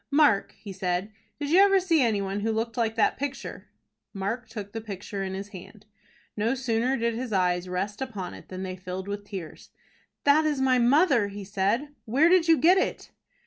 "Mark," he said, "did you ever see any one who looked like that picture?" Mark took the picture in his hand. No sooner did his eyes rest upon it than they filled with tears. "That is my mother" he said. "Where did you get it?"